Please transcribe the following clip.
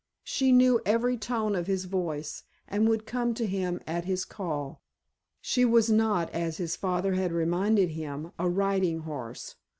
She knew every tone of his voice, and would come to him at his call. She was not, as his father had reminded him, a riding horse.